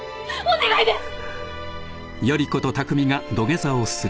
お願いです！